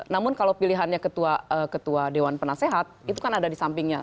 namun kalau pilihannya ketua dewan penasehat itu kan ada di sampingnya